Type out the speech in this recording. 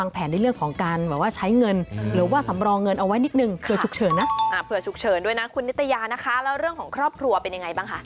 ใช่ค่ะโดยเฉพาะในช่วงนี้